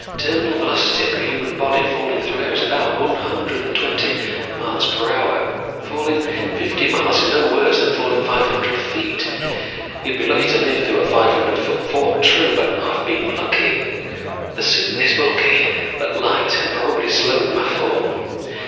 Terminal velocity for a human body falling through air is about one hundred twenty m.p.h. Falling fifty miles is no worse than falling five hundred feet. You'd be lucky to live through a five hundred foot fall, true, but I've been lucky. The suit is bulky but light and probably slowed my fall.